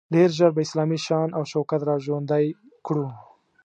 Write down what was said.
ډیر ژر به اسلامي شان او شوکت را ژوندی کړو.